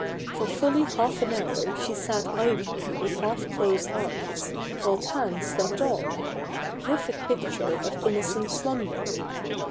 For fully half an hour she sat idly with half closed eyes, while Pan slept on, a perfect picture of innocent slumber.